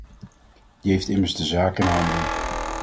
Die heeft immers de zaak in handen.